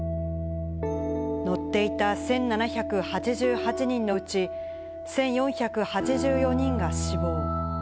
乗っていた１７８８人のうち、１４８４人が死亡。